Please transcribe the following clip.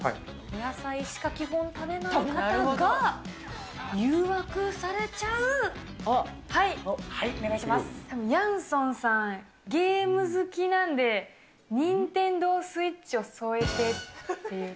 野菜しか基本、食べない方がはい、ヤンソンさん、ゲーム好きなんで、ニンテンドースイッチを添えてっていう。